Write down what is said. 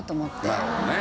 なるほどね。